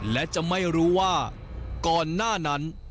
และจะไม่รู้ว่าก่อนหน้านั้น